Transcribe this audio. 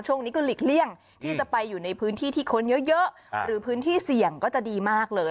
ช่วงนี้ก็หลีกเลี่ยงที่จะไปอยู่ในพื้นที่ที่คนเยอะหรือพื้นที่เสี่ยงก็จะดีมากเลย